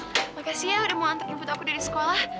terima kasih ya udah mau antar info aku dari sekolah